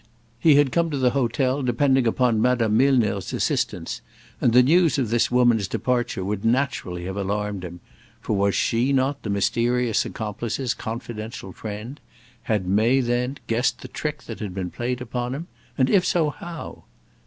He had come to the hotel depending upon Madame Milner's assistance, and the news of this woman's departure would naturally have alarmed him, for was she not the mysterious accomplice's confidential friend? Had May, then, guessed the trick that had been played upon him? And if so, how?